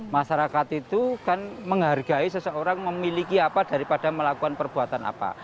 masyarakat itu kan menghargai seseorang memiliki apa daripada melakukan perbuatan apa